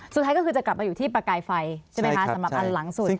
สุดท้ายก็คือจะกลับมาอยู่ที่ประกายไฟใช่ไหมคะสำหรับอันหลังสุด